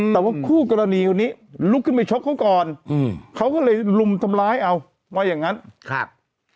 แต่ว่าคู่กรณีคนนี้ลุกขึ้นไปชกเขาก่อนอืมเขาก็เลยลุมทำร้ายเอาว่าอย่างงั้นครับ